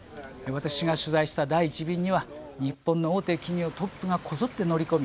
私が取材した第１便には日本の大手企業トップがこぞって乗り込み